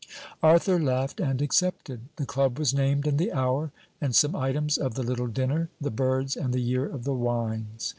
Arthur laughed and accepted. The Club was named, and the hour, and some items of the little dinner: the birds and the year of the wines.